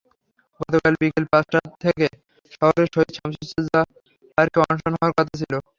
গতকাল বিকেল পাঁচটা থেকে শহরের শহীদ শামসুজ্জোহা পার্কে অনশন হওয়ার কথা ছিল।